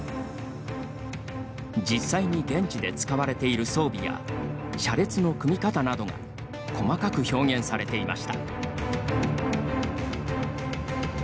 実際に現地で使われている装備や車列の組み方などが細かく表現されていました。